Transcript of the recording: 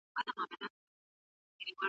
که ته انصاف وکړې، ټولنه پياوړې کېږي.